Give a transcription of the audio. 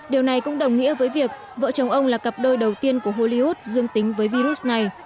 điều này cũng đồng nghĩa với việc vợ chồng ông là cặp đôi đầu tiên của hollywood dương tính với virus này